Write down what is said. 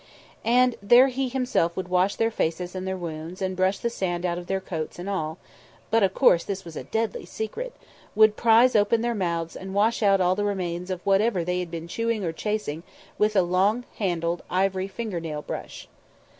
And there He Himself would wash their faces and their wounds and brush the sand out of their coats and but of course this was a deadly secret would prize open their mouths and wash out all the remains of whatever they had been chewing or chasing with a long handled ivory finger nail brush.